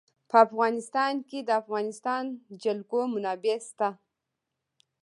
په افغانستان کې د د افغانستان جلکو منابع شته.